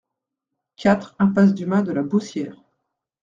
quatre impasse du Mas de la Beaussière